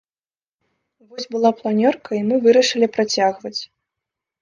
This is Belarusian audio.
Вось была планёрка і мы вырашылі працягваць.